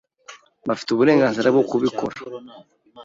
Bafite uburenganzira bwo kubikora.